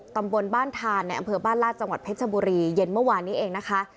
ตำบลบ้านทานในอำเภอบ้านลาดจังหวัดเพชรบุรีเย็นเมื่อวานนี้เองนะคะ